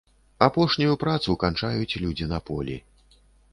Апошнюю працу канчаюць людзі на полі.